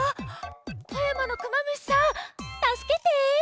富山のクマムシさんたすけて！